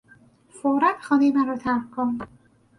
فورا خانهی مرا ترک کن!